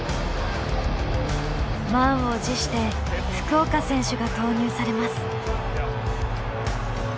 満を持して福岡選手が投入されます。